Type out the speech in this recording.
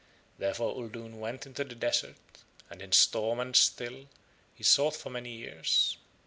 Therefore Uldoon went into the desert and in storm and still he sought for many years.